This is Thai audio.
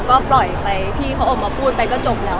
ก็ปล่อยไปพี่เขาออกมาพูดไปก็จบแล้ว